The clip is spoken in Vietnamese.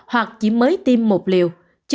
hoặc chỉ mới tiêm một liều